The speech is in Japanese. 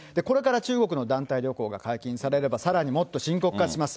中国の団体旅行が解禁されれば、さらにもっと深刻化します。